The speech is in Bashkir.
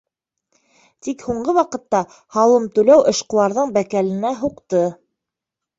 Тик һуңғы ваҡытта һалым түләү эшҡыуарҙың бәкәленә һуҡты.